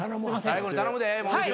最後に頼むでもう中。